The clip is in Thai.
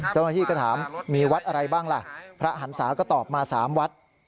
เจ้าหน้าที่ก็ถามมีวัดอะไรบ้างล่ะพระหันศาก็ตอบมา๓วัด